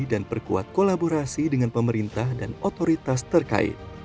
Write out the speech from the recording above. dan berkuat kolaborasi dengan pemerintah dan otoritas terkait